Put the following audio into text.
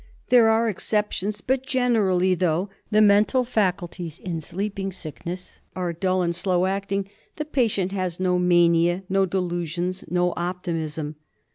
There are exceptions ; but, generally, though the mental faculties in Sleeping Sickness are dull and slow acting, the patient has no mania, no delusions, no optimism.